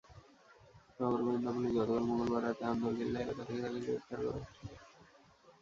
নগর গোয়েন্দা পুলিশ গতকাল মঙ্গলবার রাতে আন্দরকিল্লা এলাকা থেকে তাঁকে গ্রেপ্তার করে।